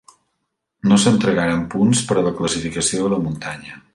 No s'entregaren punts per a la classificació de la muntanya.